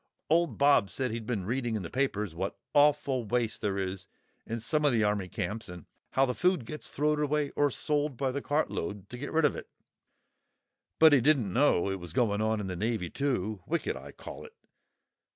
Old Bob said he'd been reading in the papers what awful waste there is in some o' the army camps and how the food gets throw'd away or sold by the cartload, to get rid of it, but he didn't know it was going on in the navy too—wicked, I call it.